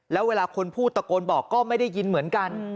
แล้วเวลาคนพูดตะโกนบอกก็ไม่ได้ยินเหมือนกัน